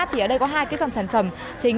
thì ở đây có hai cái dòng sản phẩm chính